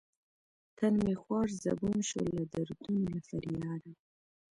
تن مې خوار زبون شو لۀ دردونو له فرياده